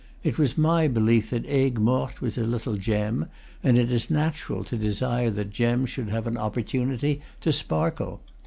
It was my belief that Aigues Mortes was a little gem, and it is natural to desire that gems should have an opportunity to sparkle.